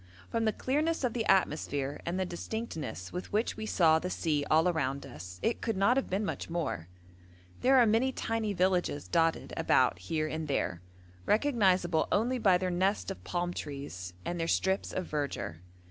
From the clearness of the atmosphere and the distinctness with which we saw the sea all around us, it could not have been much more. There are many tiny villages dotted about here and there, recognisable only by their nest of palm trees and their strips of verdure.